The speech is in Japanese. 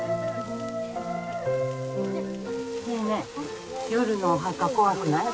ねえねえ夜のお墓怖くない？